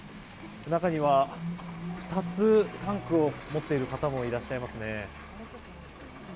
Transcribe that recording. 中には、２つタンクを持っている方もいらっしゃいますね。